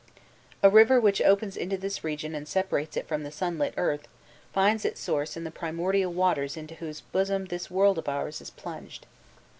A river which opens into this region and separates it from the sunlit earth, finds its source in the primordial waters into whose bosom this world of ours is plunged.